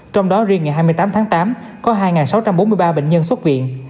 trong đó riêng ngày hai mươi tám tháng tám có hai sáu trăm bốn mươi ba bệnh nhân xuất viện